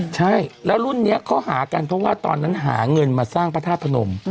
ใช่แล้วรุ่นนี้เขาหากันเพราะว่าตอนนั้นหาเงินมาสร้างพระธาตุพนม